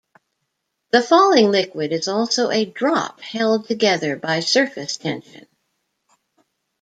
The falling liquid is also a drop held together by surface tension.